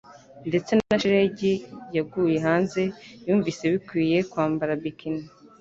Ndetse na shelegi yaguye hanze, yumvise bikwiye kwambara bikini.